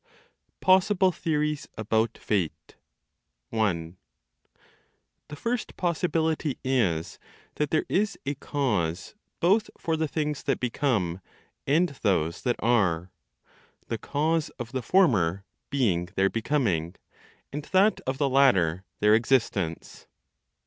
POSSIBLE THEORIES ABOUT FATE. 1. The first possibility is that there is a cause both for the things that become, and those that are; the cause of the former being their becoming, and that of the latter, their existence.